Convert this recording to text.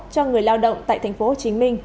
cho người lao động tại tp hcm